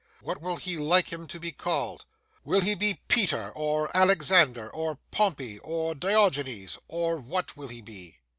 What will he like him to be called? Will he be Peter, or Alexander, or Pompey, or Diorgeenes, or what will he be?"